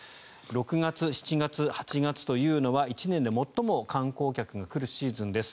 ６月、７月、８月というのは１年で最も観光客が来るシーズンです